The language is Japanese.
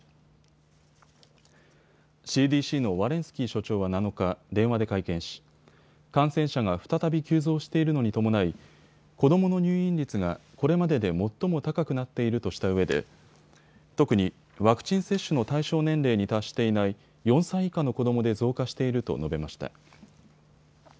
スキー所長は７日、電話で会見し感染者が再び急増しているのに伴い子どもの入院率がこれまでで最も高くなっているとしたうえで特にワクチン接種の対象年齢に達していない４歳以下の子どもで増加していると述べました。